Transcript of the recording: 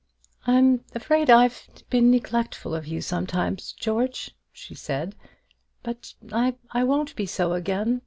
"I'm afraid I've been neglectful of you sometimes, George," she said; "but I won't be so again.